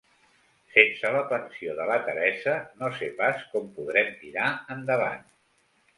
Sense la pensió de la Teresa no sé pas com podrem tirar endavant.